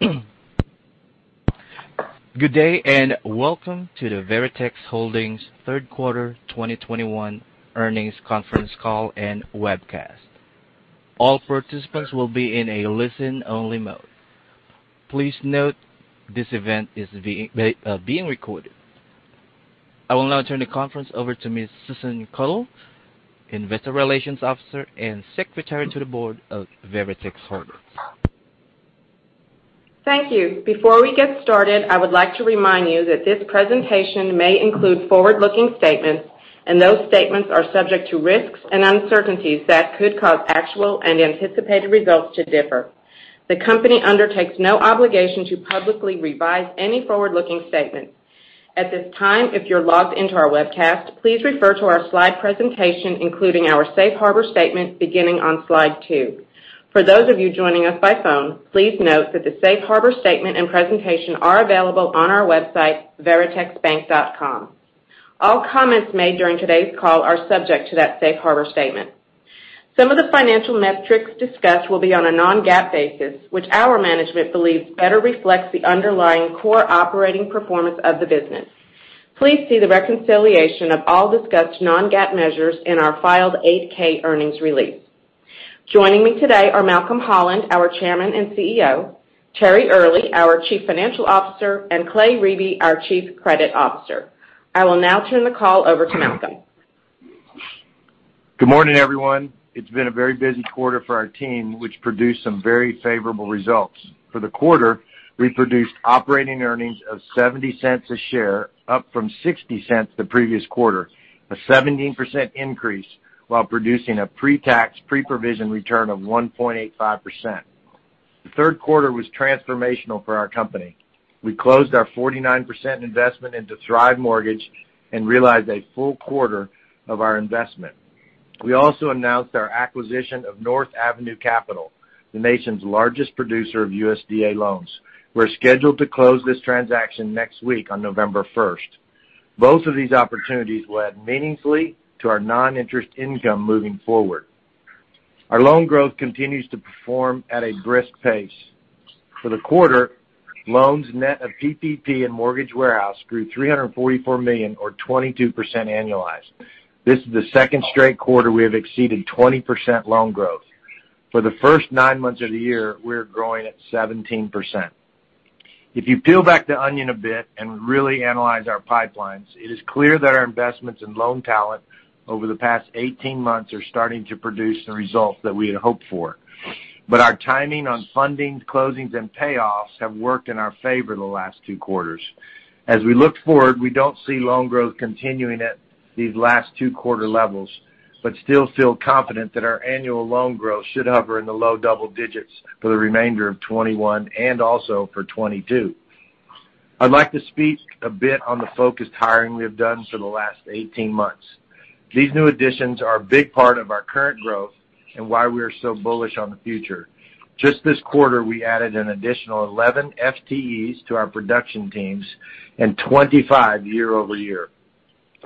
Good day, and welcome to the Veritex Holdings third quarter 2021 earnings conference call and webcast. All participants will be in a listen-only mode. Please note this event is being recorded. I will now turn the conference over to Ms. Susan Caudle, Investor Relations Officer and Secretary to the Board of Veritex Holdings. Thank you. Before we get started, I would like to remind you that this presentation may include forward-looking statements, and those statements are subject to risks and uncertainties that could cause actual and anticipated results to differ. The company undertakes no obligation to publicly revise any forward-looking statements. At this time, if you're logged into our webcast, please refer to our slide presentation, including our safe harbor statement, beginning on slide two. For those of you joining us by phone, please note that the safe harbor statement and presentation are available on our website, veritexbank.com. All comments made during today's call are subject to that safe harbor statement. Some of the financial metrics discussed will be on a non-GAAP basis, which our management believes better reflects the underlying core operating performance of the business. Please see the reconciliation of all discussed non-GAAP measure in our file 8-K earnings release. Joining me today are Malcolm Holland, our Chairman and CEO, Terry Earley, our Chief Financial Officer, and Clay Riebe, our Chief Credit Officer. I will now turn the call over to Malcolm. Good morning, everyone. It's been a very busy quarter for our team, which produced some very favorable results. For the quarter, we produced operating earnings of $0.70 a share, up from $0.60 the previous quarter, a 17% increase, while producing a pre-tax, pre-provision return of 1.85%. The third quarter was transformational for our company. We closed our 49% investment into Thrive Mortgage and realized a full quarter of our investment. We also announced our acquisition of North Avenue Capital, the nation's largest producer of USDA loans. We're scheduled to close this transaction next week on November 1. Both of these opportunities will add meaningfully to our non-interest income moving forward. Our loan growth continues to perform at a brisk pace. For the quarter, loans net of PPP and mortgage warehouse grew $344 million or 22% annualized. This is the second straight quarter we have exceeded 20% loan growth. For the first nine months of the year, we're growing at 17%. If you peel back the onion a bit and really analyze our pipelines, it is clear that our investments in loan talent over the past 18 months are starting to produce the results that we had hoped for. Our timing on funding, closings, and payoffs have worked in our favor the last two quarters. As we look forward, we don't see loan growth continuing at these last two quarter levels, but still feel confident that our annual loan growth should hover in the low double digits for the remainder of 2021 and also for 2022. I'd like to speak a bit on the focused hiring we have done for the last 18 months. These new additions are a big part of our current growth and why we are so bullish on the future. Just this quarter, we added an additional 11 FTEs to our production teams and 25 year-over-year.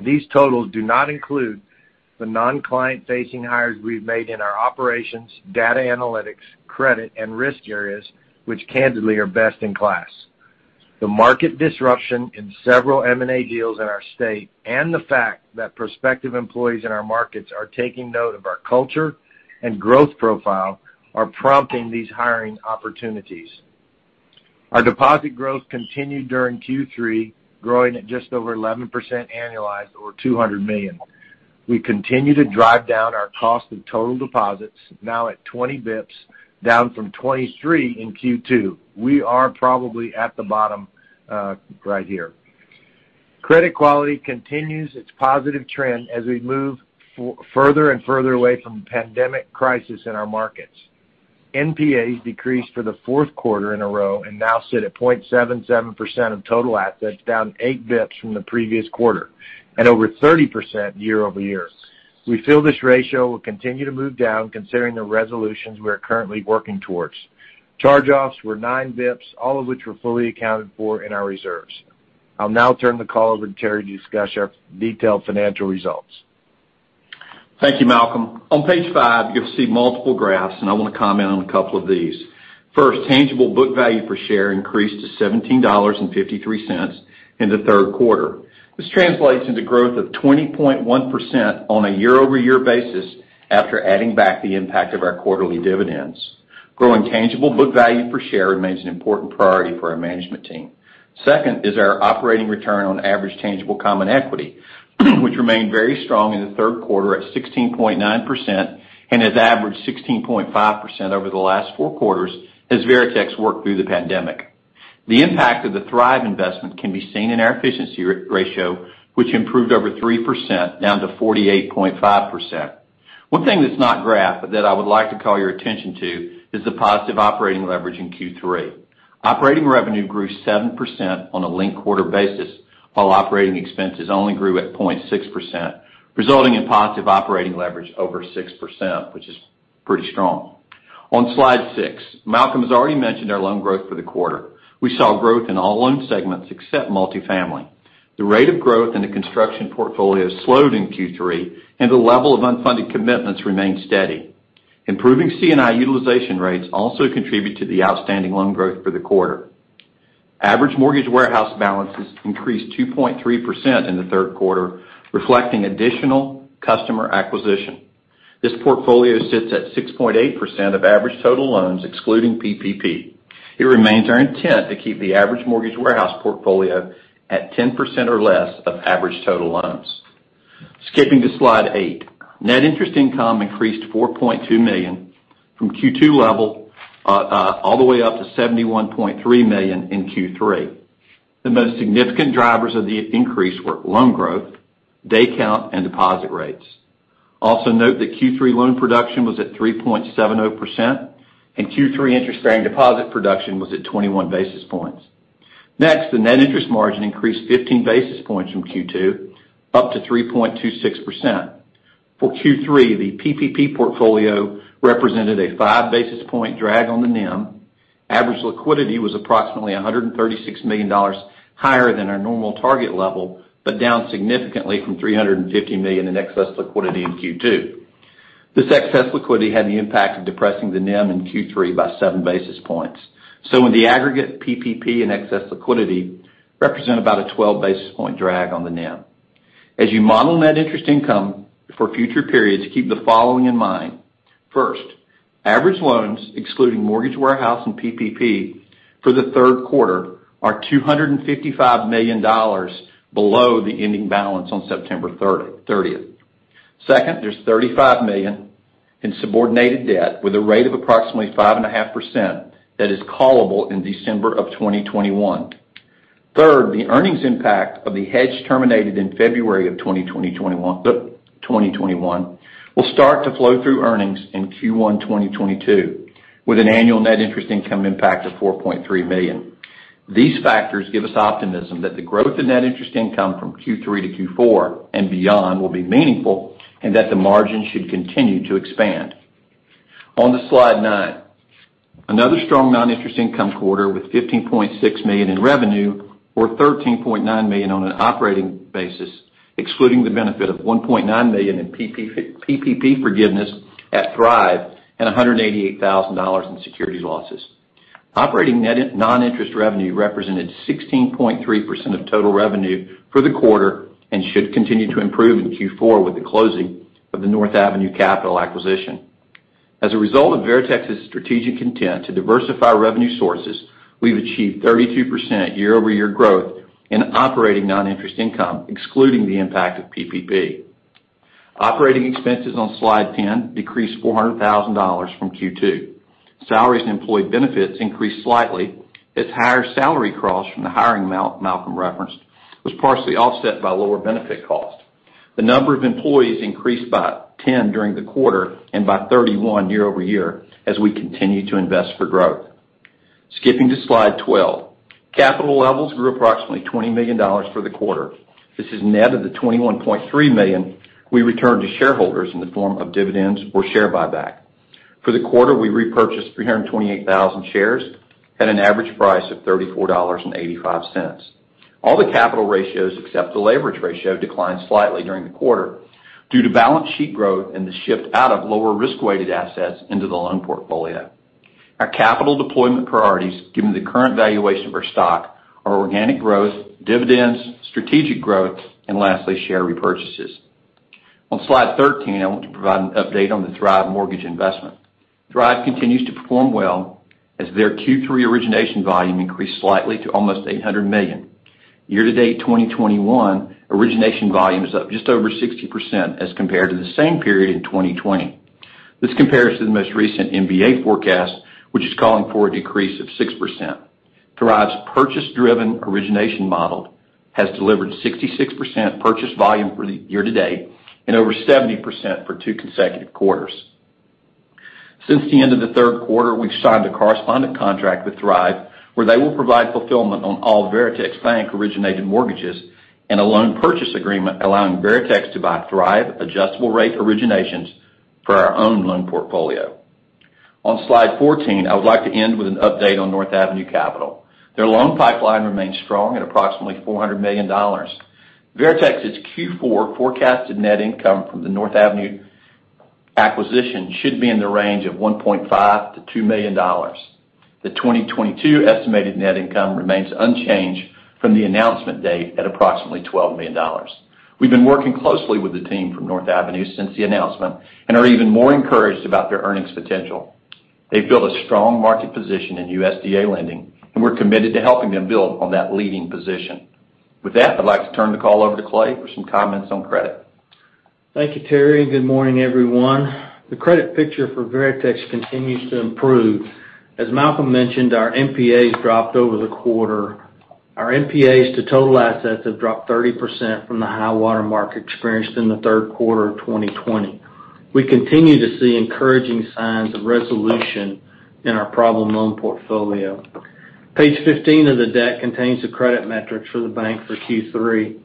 These totals do not include the non-client-facing hires we've made in our operations, data analytics, credit, and risk areas, which candidly are best in class. The market disruption in several M&A deals in our state and the fact that prospective employees in our markets are taking note of our culture and growth profile are prompting these hiring opportunities. Our deposit growth continued during Q3, growing at just over 11% annualized or $200 million. We continue to drive down our cost of total deposits, now at 20 bps, down from 23 in Q2. We are probably at the bottom, right here. Credit quality continues its positive trend as we move further and further away from the pandemic crisis in our markets. NPAs decreased for the fourth quarter in a row and now sit at 0.77% of total assets, down 8 basis points from the previous quarter and over 30% year-over-year. We feel this ratio will continue to move down considering the resolutions we are currently working towards. Charge-offs were 9 basis points, all of which were fully accounted for in our reserves. I'll now turn the call over to Terry to discuss our detailed financial results. Thank you, Malcolm. On page five, you'll see multiple graphs, and I wanna comment on a couple of these. First, tangible book value per share increased to $17.53 in the third quarter. This translates into growth of 20.1% on a year-over-year basis after adding back the impact of our quarterly dividends. Growing tangible book value per share remains an important priority for our management team. Second is our operating return on average tangible common equity, which remained very strong in the third quarter at 16.9% and has averaged 16.5% over the last four quarters as Veritex worked through the pandemic. The impact of the Thrive investment can be seen in our efficiency ratio, which improved over 3%, down to 48.5%. One thing that's not graphed, but that I would like to call your attention to, is the positive operating leverage in Q3. Operating revenue grew 7% on a linked quarter basis, while operating expenses only grew at 0.6%, resulting in positive operating leverage over 6%, which is pretty strong. On slide 6, Malcolm has already mentioned our loan growth for the quarter. We saw growth in all loan segments except multifamily. The rate of growth in the construction portfolio slowed in Q3, and the level of unfunded commitments remained steady. Improving C&I utilization rates also contributed to the outstanding loan growth for the quarter. Average mortgage warehouse balances increased 2.3% in the third quarter, reflecting additional customer acquisition. This portfolio sits at 6.8% of average total loans, excluding PPP. It remains our intent to keep the average mortgage warehouse portfolio at 10% or less of average total loans. Skipping to Slide 8. Net interest income increased to $4.2 million from Q2 level, all the way up to $71.3 million in Q3. The most significant drivers of the increase were loan growth, day count, and deposit rates. Also note that Q3 loan production was at 3.70%, and Q3 interest-bearing deposit production was at 21 basis points. Next, the net interest margin increased 15 basis points from Q2 up to 3.26%. For Q3, the PPP portfolio represented a 5 basis point drag on the NIM. Average liquidity was approximately $136 million higher than our normal target level, but down significantly from $350 million in excess liquidity in Q2. This excess liquidity had the impact of depressing the NIM in Q3 by 7 basis points. In the aggregate, PPP and excess liquidity represent about a 12 basis point drag on the NIM. As you model net interest income for future periods, keep the following in mind. First, average loans, excluding mortgage warehouse and PPP for the third quarter, are $255 million below the ending balance on September 30. Second, there's $35 million in subordinated debt with a rate of approximately 5.5% that is callable in December 2021. Third, the earnings impact of the hedge terminated in February 2021 will start to flow through earnings in Q1 2022, with an annual net interest income impact of $4.3 million. These factors give us optimism that the growth in net interest income from Q3 to Q4 and beyond will be meaningful, and that the margin should continue to expand. On to slide 9. Another strong non-interest income quarter with $15.6 million in revenue, or $13.9 million on an operating basis, excluding the benefit of $1.9 million in PPP forgiveness at Thrive and $188,000 in securities losses. Operating non-interest revenue represented 16.3% of total revenue for the quarter and should continue to improve in Q4 with the closing of the North Avenue Capital acquisition. As a result of Veritex's strategic intent to diversify revenue sources, we've achieved 32% year-over-year growth in operating non-interest income, excluding the impact of PPP. Operating expenses on slide 10 decreased $400,000 from Q2. Salaries and employee benefits increased slightly as higher salary costs from the hiring Malcolm referenced was partially offset by lower benefit costs. The number of employees increased by 10 during the quarter and by 31 year-over-year as we continue to invest for growth. Skipping to slide 12. Capital levels grew approximately $20 million for the quarter. This is net of the $21.3 million we returned to shareholders in the form of dividends or share buyback. For the quarter, we repurchased 328,000 shares at an average price of $34.85. All the capital ratios, except the leverage ratio, declined slightly during the quarter due to balance sheet growth and the shift out of lower risk-weighted assets into the loan portfolio. Our capital deployment priorities, given the current valuation of our stock, are organic growth, dividends, strategic growth, and lastly, share repurchases. On slide 13, I want to provide an update on the Thrive Mortgage investment. Thrive continues to perform well as their Q3 origination volume increased slightly to almost $800 million. Year to date, 2021 origination volume is up just over 60% as compared to the same period in 2020. This compares to the most recent MBA forecast, which is calling for a decrease of 6%. Thrive's purchase-driven origination model has delivered 66% purchase volume for the year to date and over 70% for two consecutive quarters. Since the end of the third quarter, we've signed a correspondent contract with Thrive where they will provide fulfillment on all Veritex Bank-originated mortgages and a loan purchase agreement allowing Veritex to buy Thrive adjustable rate originations for our own loan portfolio. On slide 14, I would like to end with an update on North Avenue Capital. Their loan pipeline remains strong at approximately $400 million. Veritex's Q4 forecasted net income from the North Avenue acquisition should be in the range of $1.5 million-$2 million. The 2022 estimated net income remains unchanged from the announcement date at approximately $12 million. We've been working closely with the team from North Avenue since the announcement and are even more encouraged about their earnings potential. They've built a strong market position in USDA lending, and we're committed to helping them build on that leading position. With that, I'd like to turn the call over to Clay for some comments on credit. Thank you, Terry, and good morning, everyone. The credit picture for Veritex continues to improve. As Malcolm mentioned, our NPAs dropped over the quarter. Our NPAs to total assets have dropped 30% from the high-water mark experienced in the third quarter of 2020. We continue to see encouraging signs of resolution in our problem loan portfolio. Page 15 of the deck contains the credit metrics for the bank for Q3.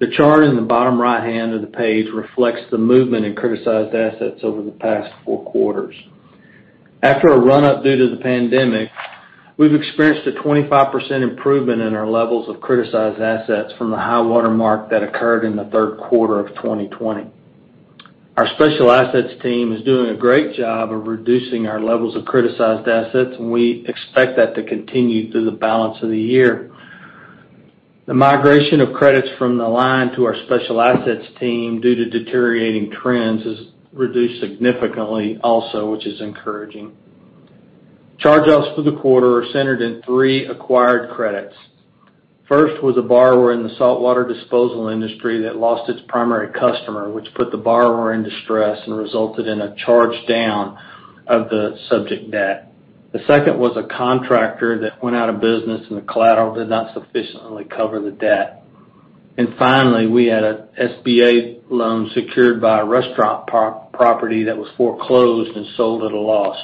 The chart in the bottom right-hand of the page reflects the movement in criticized assets over the past four quarters. After a run-up due to the pandemic, we've experienced a 25% improvement in our levels of criticized assets from the high watermark that occurred in the third quarter of 2020. Our special assets team is doing a great job of reducing our levels of criticized assets, and we expect that to continue through the balance of the year. The migration of credits from the line to our special assets team due to deteriorating trends has reduced significantly also, which is encouraging. Charge-offs for the quarter are centered in three acquired credits. First was a borrower in the saltwater disposal industry that lost its primary customer, which put the borrower in distress and resulted in a charge down of the subject debt. The second was a contractor that went out of business, and the collateral did not sufficiently cover the debt. Finally, we had a SBA loan secured by a restaurant park property that was foreclosed and sold at a loss.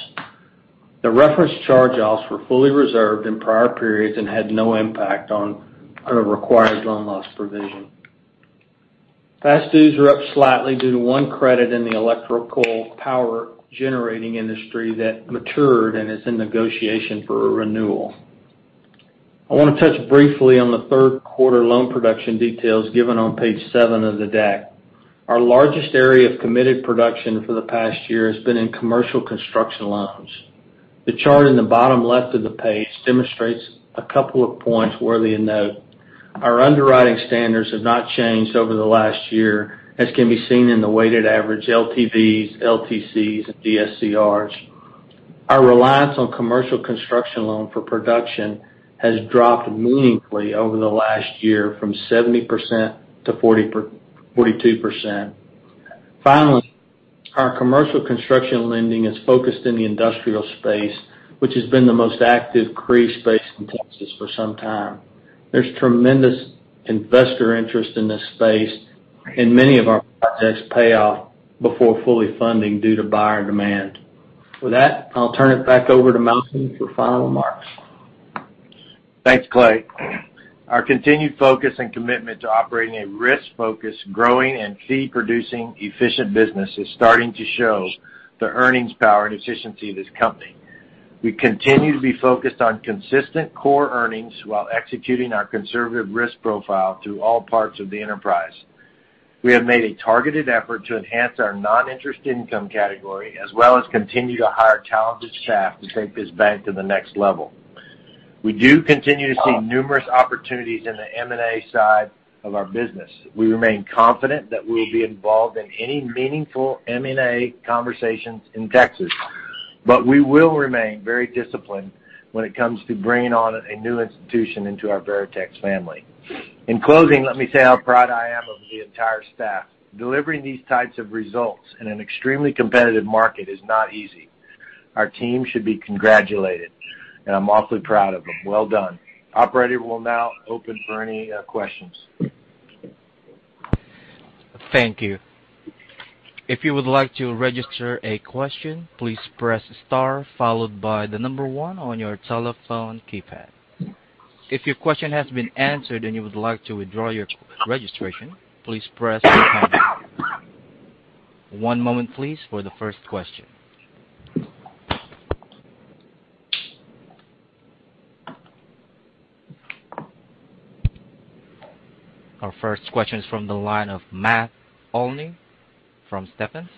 The referenced charge-offs were fully reserved in prior periods and had no impact on our required loan loss provision. Past dues were up slightly due to one credit in the electrical power generating industry that matured and is in negotiation for a renewal. I wanna touch briefly on the third quarter loan production details given on page seven of the deck. Our largest area of committed production for the past year has been in commercial construction loans. The chart in the bottom left of the page demonstrates a couple of points worthy of note. Our underwriting standards have not changed over the last year, as can be seen in the weighted average LTVs, LTCs and DSCRs. Our reliance on commercial construction loan for production has dropped meaningfully over the last year from 70% to 42%. Finally, our commercial construction lending is focused in the industrial space, which has been the most active CRE space in Texas for some time. There's tremendous investor interest in this space, and many of our projects pay off before fully funding due to buyer demand. With that, I'll turn it back over to Malcolm for final remarks. Thanks, Clay. Our continued focus and commitment to operating a risk-focused, growing and fee-producing efficient business is starting to show the earnings power and efficiency of this company. We continue to be focused on consistent core earnings while executing our conservative risk profile through all parts of the enterprise. We have made a targeted effort to enhance our non-interest income category, as well as continue to hire talented staff to take this bank to the next level. We do continue to see numerous opportunities in the M&A side of our business. We remain confident that we'll be involved in any meaningful M&A conversations in Texas, but we will remain very disciplined when it comes to bringing on a new institution into our Veritex family. In closing, let me say how proud I am of the entire staff. Delivering these types of results in an extremely competitive market is not easy. Our team should be congratulated, and I'm awfully proud of them. Well done. Operator, we'll now open for any questions. Thank you. If you would like to register a question, please press star followed by the number one on your telephone keypad. If your question has been answered and you would like to withdraw your registration, please press pound. One moment please for the first question. Our first question is from the line of Matt Olney from Stephens.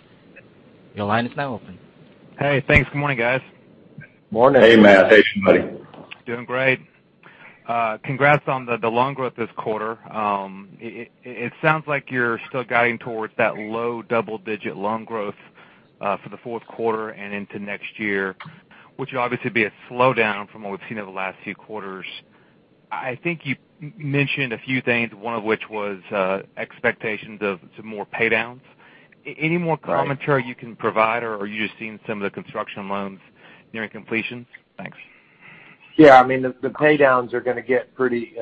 Your line is now open. Hey, thanks. Good morning, guys. Morning. Hey, Matt. How you doing, buddy? Doing great. Congrats on the loan growth this quarter. It sounds like you're still guiding towards that low double digit loan growth for the fourth quarter and into next year, which will obviously be a slowdown from what we've seen over the last few quarters. I think you mentioned a few things, one of which was expectations of some more pay downs. Any more- Right. Commentary you can provide, or are you just seeing some of the construction loans nearing completion? Thanks. Yeah. I mean, the pay downs are gonna get pretty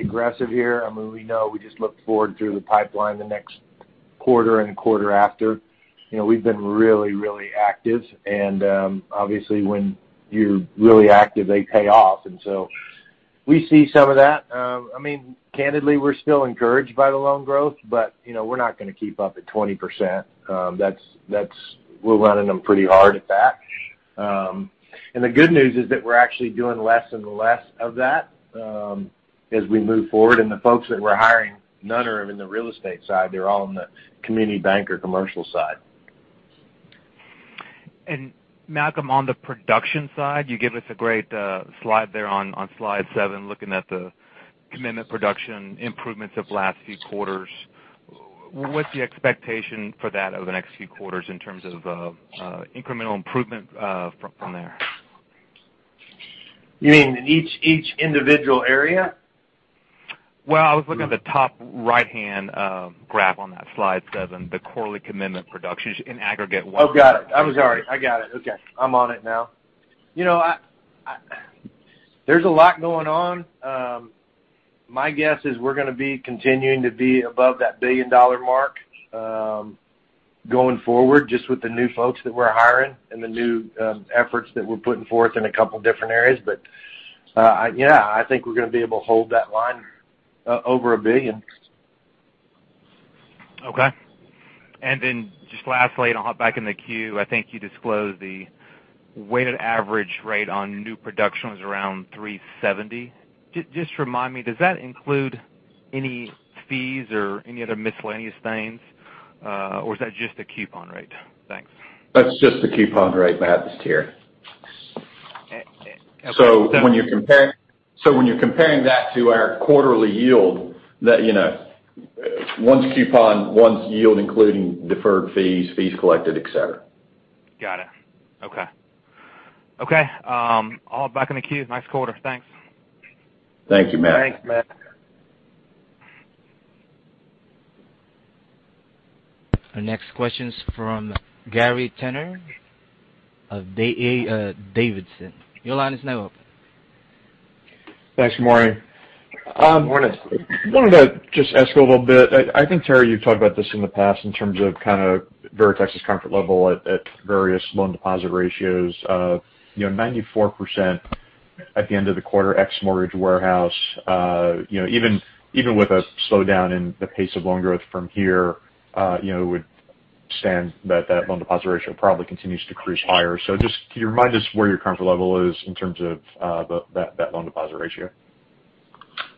aggressive here. I mean, we know, we just looked forward through the pipeline the next quarter and the quarter after. You know, we've been really active, and obviously, when you're really active, they pay off. We see some of that. I mean, candidly, we're still encouraged by the loan growth, but you know, we're not gonna keep up at 20%. That's. We're running them pretty hard at that. The good news is that we're actually doing less and less of that as we move forward. The folks that we're hiring, none of them are in the real estate side. They're all on the community bank or commercial side. Malcolm, on the production side, you gave us a great slide there on slide seven, looking at the commitment production improvements of last few quarters. What's the expectation for that over the next few quarters in terms of incremental improvement from there? You mean in each individual area? Well, I was looking at the top right-hand graph on that slide seven, the quarterly commitment production in aggregate. Oh, got it. I'm sorry. Okay. I'm on it now. You know, there's a lot going on. My guess is we're gonna be continuing to be above that billion-dollar mark going forward, just with the new folks that we're hiring and the new efforts that we're putting forth in a couple different areas. Yeah, I think we're gonna be able to hold that line over $1 billion. Okay. Then just lastly, I'll hop back in the queue. I think you disclosed the weighted average rate on new production was around 3.70%. Just remind me, does that include any fees or any other miscellaneous things, or is that just a coupon rate? Thanks. That's just the coupon rate, Matt, this tier. Okay. When you're comparing that to our quarterly yield that, you know, one's coupon, one's yield, including deferred fees collected, et cetera. Got it. Okay, I'll hop back in the queue. Nice quarter. Thanks. Thank you, Matt. Thanks, Matt. Our next question's from Gary Tenner of D.A. Davidson. Your line is now open. Thanks, Morning. Morning. wanted to just ask a little bit. I think, Terry, you've talked about this in the past in terms of kind of Veritex's comfort level at various loan deposit ratios. You know, 94% at the end of the quarter, ex Mortgage Warehouse, you know, even with a slowdown in the pace of loan growth from here, you know, it would stand that loan deposit ratio probably continues to cruise higher. Just can you remind us where your comfort level is in terms of that loan deposit ratio?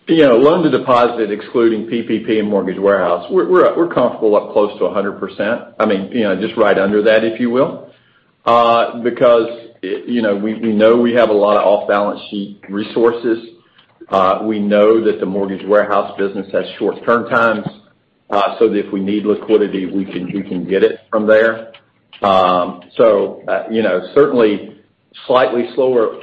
You know, loan-to-deposit, excluding PPP and Mortgage Warehouse, we're comfortable up close to 100%. I mean, you know, just right under that, if you will. Because you know we know we have a lot of off-balance sheet resources. We know that the Mortgage Warehouse business has short-term times, so that if we need liquidity, we can get it from there. You know, certainly slightly slower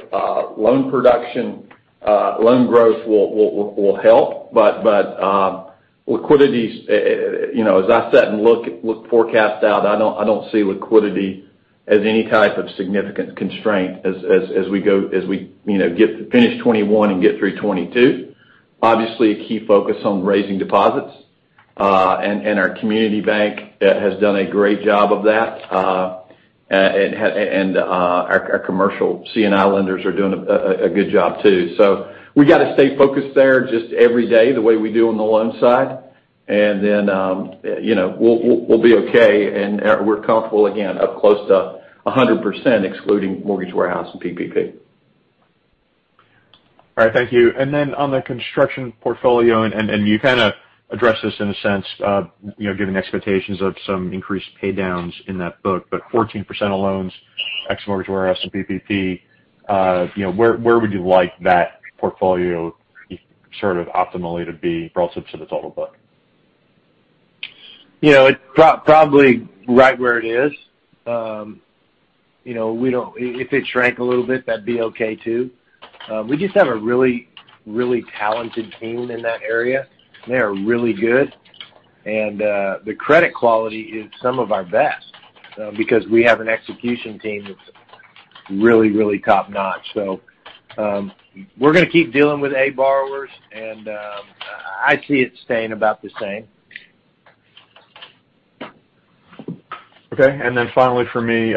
loan production, loan growth will help. Liquidity, you know, as I sit and look forecast out, I don't see liquidity as any type of significant constraint as we go, you know, get, finish 2021 and get through 2022. Obviously, a key focus on raising deposits, and our community bank has done a great job of that. Our commercial C&I lenders are doing a good job too. We gotta stay focused there just every day, the way we do on the loan side. You know, we'll be okay. We're comfortable again, up close to 100%, excluding Mortgage Warehouse and PPP. All right. Thank you. On the construction portfolio, and you kinda addressed this in a sense of, you know, giving expectations of some increased pay downs in that book, but 14% of loans, ex Mortgage Warehouse and PPP, you know, where would you like that portfolio sort of optimally to be relative to the total book? You know, it's probably right where it is. You know, if it shrank a little bit, that'd be okay too. We just have a really, really talented team in that area. They are really good. The credit quality is some of our best because we have an execution team that's really, really top-notch. We're gonna keep dealing with A borrowers, and I see it staying about the same. Okay. Finally for me,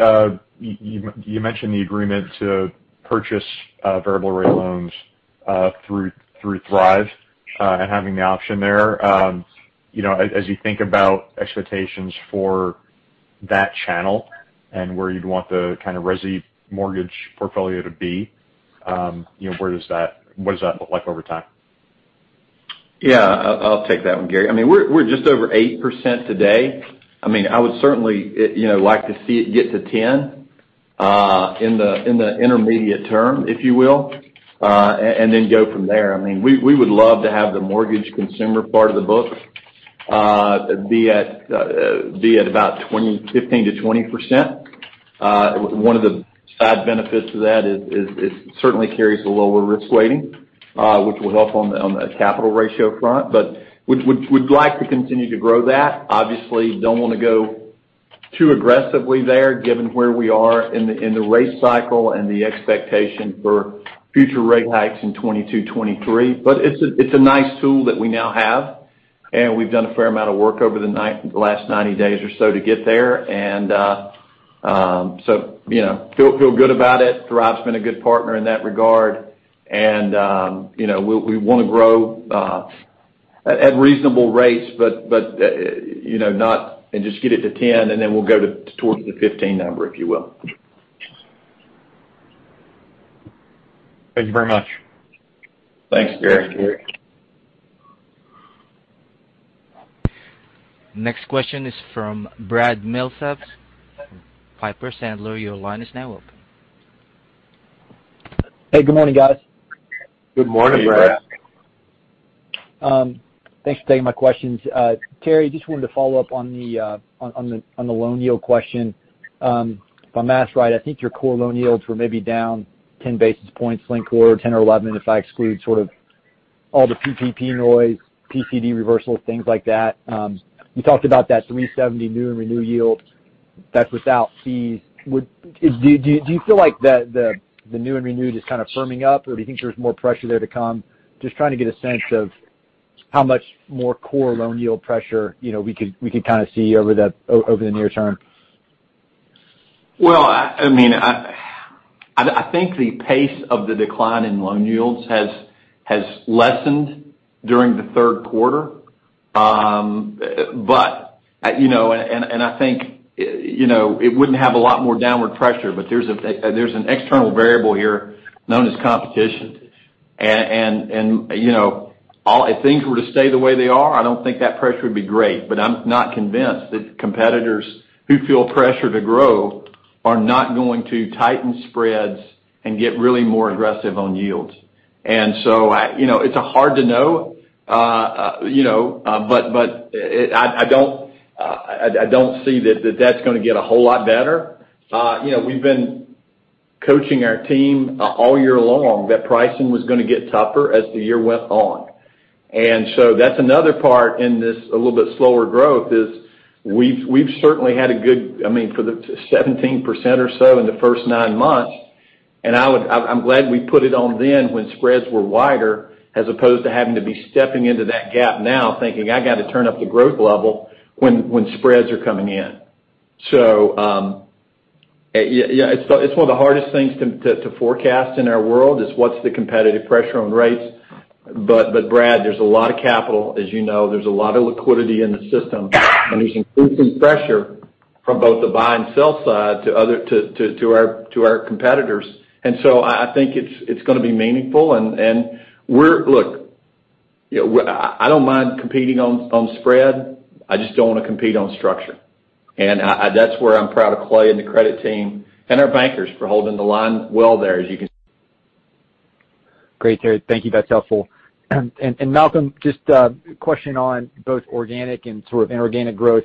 you mentioned the agreement to purchase variable rate loans through Thrive and having the option there. You know, as you think about expectations for that channel and where you'd want the kind of resi mortgage portfolio to be, you know, what does that look like over time? Yeah. I'll take that one, Gary. I mean, we're just over 8% today. I mean, I would certainly like to see it get to 10 in the intermediate term, if you will, and then go from there. I mean, we would love to have the mortgage consumer part of the book be at about 15%-20%. One of the side benefits to that is it certainly carries a lower risk weighting, which will help on the capital ratio front. But we'd like to continue to grow that. Obviously, don't wanna go too aggressively there given where we are in the rate cycle and the expectation for future rate hikes in 2022, 2023. It's a nice tool that we now have, and we've done a fair amount of work over the last 90 days or so to get there. You know, feel good about it. Thrive's been a good partner in that regard. You know, we wanna grow at reasonable rates, but you know, not and just get it to 10, and then we'll go towards the 15 number, if you will. Thank you very much. Thanks, Gary. Next question is from Brad Milsaps, Piper Sandler. Your line is now open. Hey, good morning, guys. Good morning, Brad. Good morning. Thanks for taking my questions. Terry, just wanted to follow up on the loan yield question. As I asked, right, I think your core loan yields were maybe down 10 basis points linked quarter, 10 or 11, if I exclude sort of all the PPP noise, PCD reversal, things like that. You talked about that 3.70 new and renew yield that's without fees. Do you feel like the new and renewed is kind of firming up, or do you think there's more pressure there to come? Just trying to get a sense of how much more core loan yield pressure, you know, we could kind of see over the near term. Well, I mean, I think the pace of the decline in loan yields has lessened during the third quarter. But you know, I think you know, it wouldn't have a lot more downward pressure, but there's an external variable here known as competition. If things were to stay the way they are, I don't think that pressure would be great. But I'm not convinced that competitors who feel pressure to grow are not going to tighten spreads and get really more aggressive on yields. You know, it's hard to know, but I don't see that that's gonna get a whole lot better. You know, we've been coaching our team all year long that pricing was gonna get tougher as the year went on. That's another part in this a little bit slower growth is we've certainly had a good, I mean, for the 17% or so in the first nine months, and I'm glad we put it on then when spreads were wider, as opposed to having to be stepping into that gap now thinking, I gotta turn up the growth level when spreads are coming in. It's one of the hardest things to forecast in our world is what's the competitive pressure on rates. Brad, there's a lot of capital. As you know, there's a lot of liquidity in the system, and there's increasing pressure from both the buy and sell side to our competitors. I think it's gonna be meaningful. Look, you know, I don't mind competing on spread. I just don't wanna compete on structure. That's where I'm proud of Clay and the credit team and our bankers for holding the line well there, as you can see. Great, Terry. Thank you. That's helpful. Malcolm, just a question on both organic and sort of inorganic growth.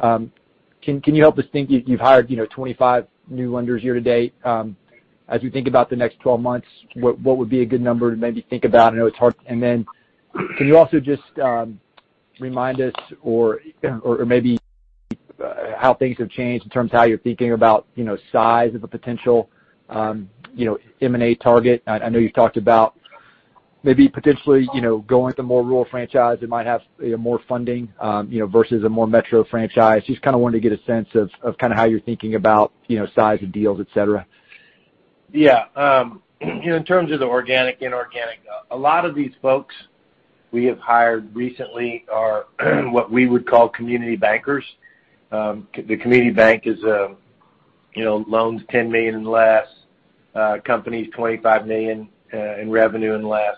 Can you help us think you've hired 25 new lenders year to date. As we think about the next 12 months, what would be a good number to maybe think about? I know it's hard. Can you also just remind us or maybe how things have changed in terms of how you're thinking about, you know, size of a potential M&A target? I know you've talked about maybe potentially, you know, going to more rural franchise that might have, you know, more funding, you know, versus a more metro franchise. Just kinda wanted to get a sense of kinda how you're thinking about, you know, size of deals, et cetera. Yeah. In terms of the organic, inorganic, a lot of these folks we have hired recently are what we would call community bankers. The community bank is, you know, loans $10 million and less, companies $25 million in revenue and less.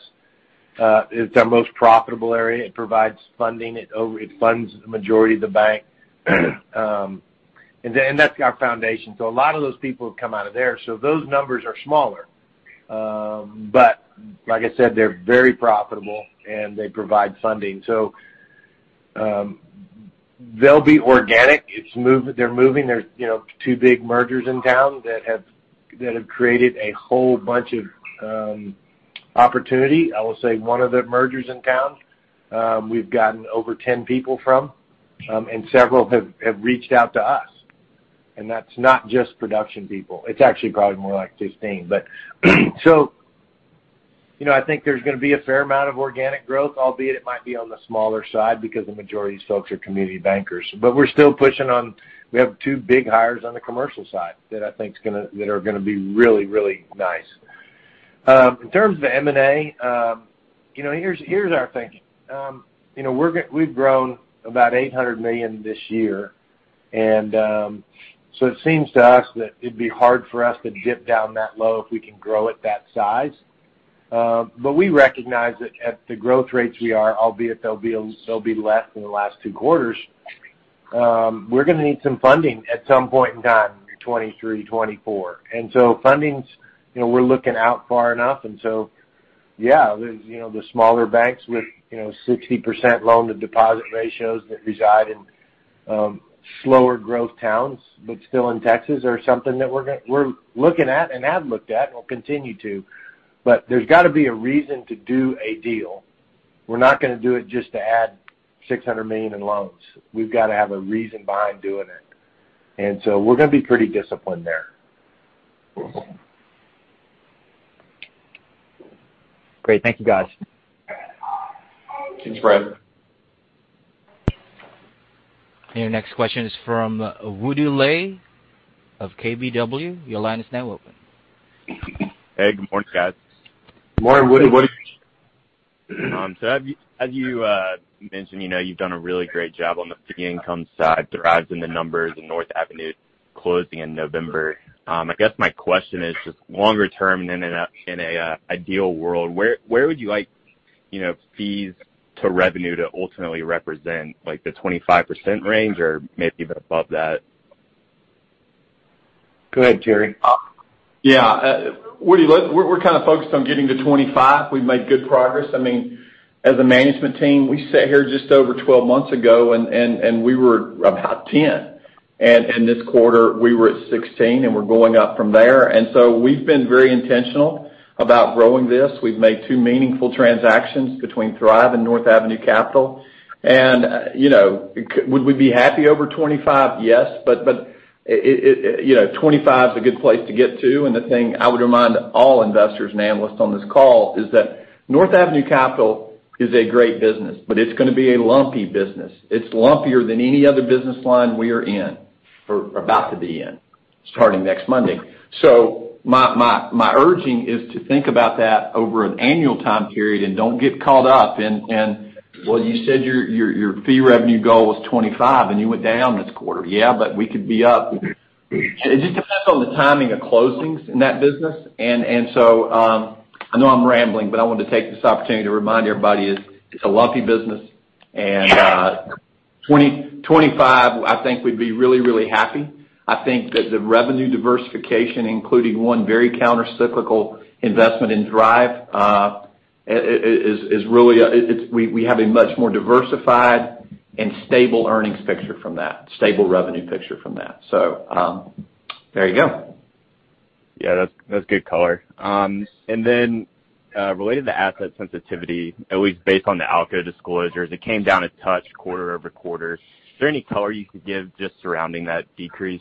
It's our most profitable area. It provides funding. It funds the majority of the bank. That's our foundation. A lot of those people have come out of there, so those numbers are smaller. Like I said, they're very profitable, and they provide funding. They'll be organic. They're moving. There's, you know, two big mergers in town that have created a whole bunch of opportunity. I will say one of the mergers in town, we've gotten over 10 people from, and several have reached out to us. That's not just production people. It's actually probably more like 15. You know, I think there's gonna be a fair amount of organic growth, albeit it might be on the smaller side because the majority of these folks are community bankers. We're still pushing on. We have two big hires on the commercial side that are gonna be really, really nice. In terms of the M&A, you know, here's our thinking. You know, we've grown about $800 million this year, and so it seems to us that it'd be hard for us to dip down that low if we can grow at that size. We recognize that at the growth rates we are, albeit they'll be less than the last two quarters, we're gonna need some funding at some point in time, 2023, 2024. Fundings, you know, we're looking out far enough, yeah, there's, you know, the smaller banks with, you know, 60% loan to deposit ratios that reside in slower growth towns but still in Texas are something that we're looking at and have looked at and will continue to. There's gotta be a reason to do a deal. We're not gonna do it just to add $600 million in loans. We've gotta have a reason behind doing it. We're gonna be pretty disciplined there. Great. Thank you, guys. Thanks, Brad. Your next question is from Woody Lay of KBW. Your line is now open. Hey, good morning, guys. Good morning, Woody. What are you- As you mentioned, you know, you've done a really great job on the fee income side, driven in the numbers in North Avenue closing in November. I guess my question is just longer term and in an ideal world, where would you like, you know, fees to revenue to ultimately represent, like the 25% range or maybe even above that? Go ahead, Terry. Yeah. Woody, look, we're kinda focused on getting to 25. We've made good progress. I mean, as a management team, we sat here just over 12 months ago and we were about 10. In this quarter, we were at 16, and we're going up from there. We've been very intentional about growing this. We've made two meaningful transactions between Thrive and North Avenue Capital. You know, would we be happy over 25? Yes. You know, 25 is a good place to get to. The thing I would remind all investors and analysts on this call is that North Avenue Capital is a great business, but it's gonna be a lumpy business. It's lumpier than any other business line we are in or about to be in. Starting next Monday. My urging is to think about that over an annual time period and don't get caught up in, well, you said your fee revenue goal was $25, and you went down this quarter. Yeah, we could be up. It just depends on the timing of closings in that business. I know I'm rambling, but I wanted to take this opportunity to remind everybody that it's a lumpy business, and $25, I think we'd be really happy. I think that the revenue diversification, including one very countercyclical investment in Thrive, is really. We have a much more diversified and stable earnings picture from that, stable revenue picture from that. There you go. Yeah, that's good color. Related to asset sensitivity, at least based on the ALCO disclosures, it came down a touch quarter-over-quarter. Is there any color you could give just surrounding that decrease?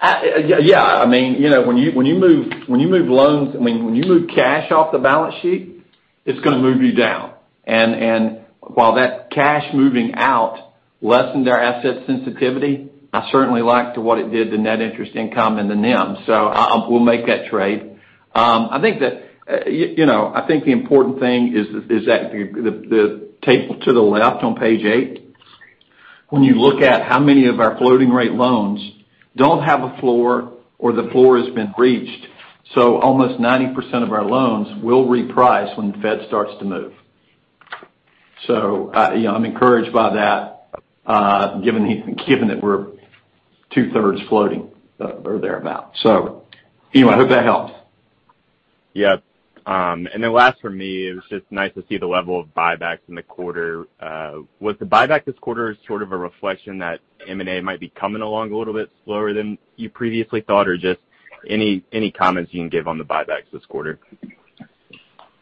Yeah. I mean, you know, when you move loans, I mean, when you move cash off the balance sheet, it's gonna move you down. While that cash moving out lessened our asset sensitivity, I certainly liked what it did to net interest income and the NIM. We'll make that trade. I think that, you know, I think the important thing is that the table to the left on page eight, when you look at how many of our floating rate loans don't have a floor or the floor has been reached, so almost 90% of our loans will reprice when the Fed starts to move. You know, I'm encouraged by that, given that we're two-thirds floating or thereabout. Anyway, I hope that helps. Yeah. Last for me, it was just nice to see the level of buybacks in the quarter. Was the buyback this quarter sort of a reflection that M&A might be coming along a little bit slower than you previously thought? Or just any comments you can give on the buybacks this quarter?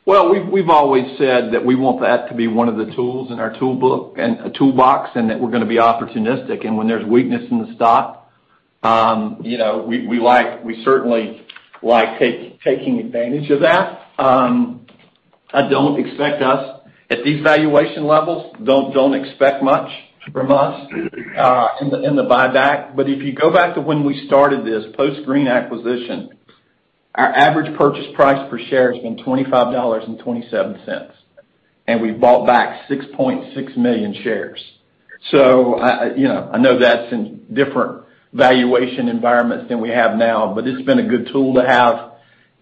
Well, we've always said that we want that to be one of the tools in our toolbox, and that we're gonna be opportunistic. When there's weakness in the stock, you know, we certainly like taking advantage of that. Don't expect us at these valuation levels, don't expect much from us in the buyback. If you go back to when we started this post Green acquisition, our average purchase price per share has been $25.27, and we've bought back 6.6 million shares. You know, I know that's in different valuation environments than we have now, but it's been a good tool to have,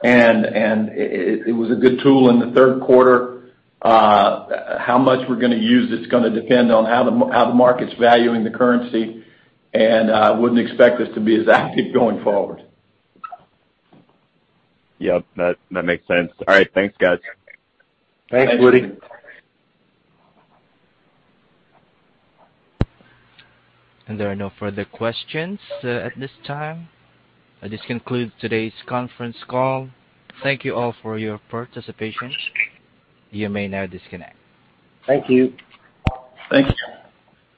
and it was a good tool in the third quarter. How much we're gonna use, it's gonna depend on how the market's valuing the currency, and wouldn't expect us to be as active going forward. Yep, that makes sense. All right, thanks guys. Thanks, Woody. There are no further questions at this time. This concludes today's conference call. Thank you all for your participation. You may now disconnect. Thank you. Thanks.